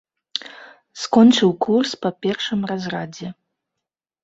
Скончыў курс па першым разрадзе.